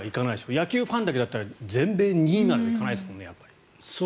野球ファンだけだったら全米２位にまで行かないですもんね。